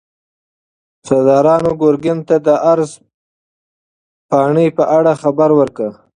سردارانو ګورګین ته د عرض پاڼې په اړه خبر ورکړ.